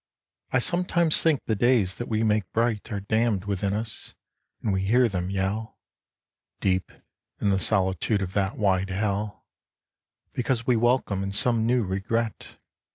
I sometimes think the days that we made bright Are damned within us, and we hear them yell, Deep in the solitude of that wide hell, Because we welcome in some new regret.